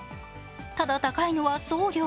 ただ高いのは送料。